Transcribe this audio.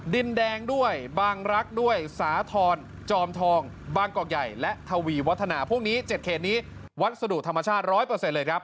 ดินแดงด้วยบางรักด้วยสาธรณ์จอมทองบางกอกใหญ่และทวีวัฒนาพวกนี้๗เขตนี้วัสดุธรรมชาติ๑๐๐เลยครับ